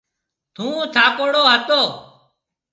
ٿُون ٿاڪوڙو هتو۔